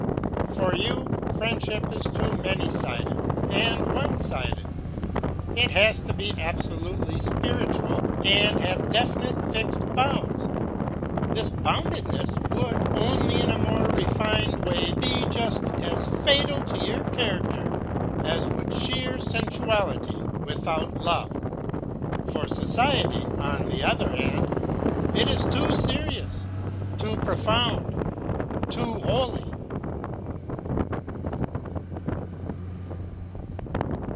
"For you friendship is too many sided and one sided. It has to be absolutely spiritual and have definite, fixed bounds. This boundedness would, only in a more refined way, be just as fatal to your character as would sheer sensuality without love. For society, on the other hand, it is too serious, too profound, too holy."